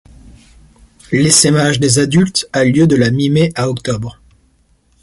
L'essaimage des adultes a lieu de la mi-mai à octobre.